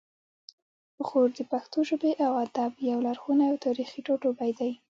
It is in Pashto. غور د پښتو ژبې او ادب یو لرغونی او تاریخي ټاټوبی دی